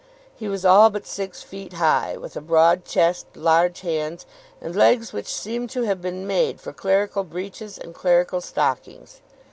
He was all but six feet high, with a broad chest, large hands, and legs which seemed to have been made for clerical breeches and clerical stockings.